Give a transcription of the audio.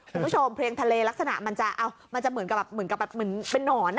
คุณผู้ชมเพลียงทะเลลักษณะมันจะเหมือนกับเป็นนอน